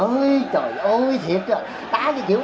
rồi rồi rồi xuất vô xuất vô